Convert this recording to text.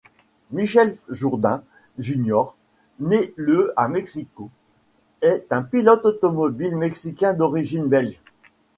Michel Jourdain, Jr., né le à Mexico, est un pilote automobile mexicain d'origine belge.